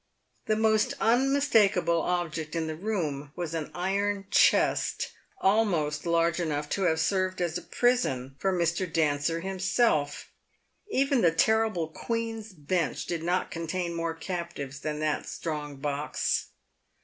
The most un mistakable object in the room was an iron chest, almost large enough to have served as a prison for Mr. Dancer himself. Even the terrible Queen's Bench did not contain more captives than that strong box.